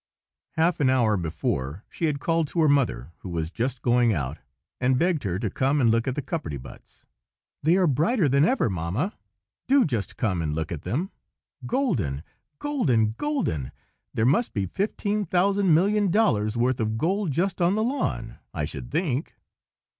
Half an hour before, she had called to her mother, who was just going out, and begged her to come and look at the cupperty buts. "They are brighter than ever, Mamma! Do just come and look at them! golden, golden, golden! There must be fifteen thousand million dollars' worth of gold just on the lawn, I should think."